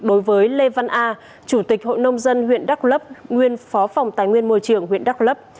đối với lê văn a chủ tịch hội nông dân huyện đắk lấp nguyên phó phòng tài nguyên môi trường huyện đắk lấp